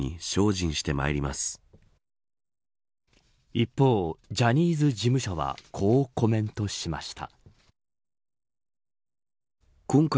一方、ジャニーズ事務所はこうコメントしました。